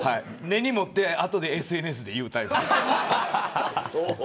根に持ってあとでＳＮＳで言うタイプ。